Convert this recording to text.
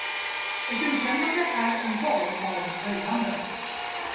Ett utlämnande är en form av röjande.